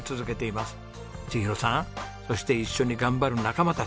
千尋さんそして一緒に頑張る仲間たち